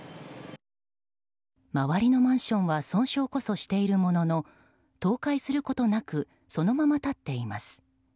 周りのマンションは損傷こそしているものの倒壊することなくそのまま立っています。